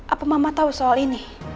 apa mama tahu soal ini